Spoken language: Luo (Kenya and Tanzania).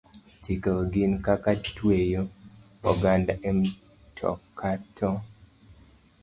Chike go gin kaka tweyo okanda e mtoka to